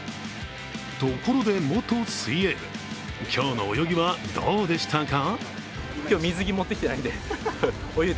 ところで元水泳部、今日の泳ぎはどうでしたか？